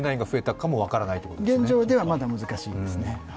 現状ではまだ難しいですね。